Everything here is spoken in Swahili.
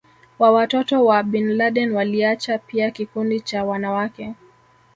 wa watoto wa Bin Laden Waliacha pia kikundi cha wanawake